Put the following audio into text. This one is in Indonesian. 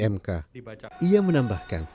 mk ia menambahkan